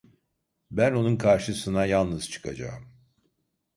Ben onun karşısına yalnız çıkacağım…